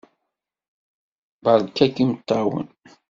Beṛka-k imeṭṭawen!